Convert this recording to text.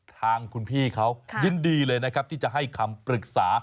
ทางคุณพี่เขายินดีเลยนะครับที่จะให้คำปรึกษา